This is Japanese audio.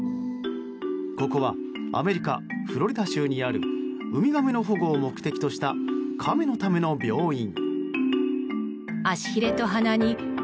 ここはアメリカ・フロリダ州にあるウミガメの保護を目的としたカメのための病院。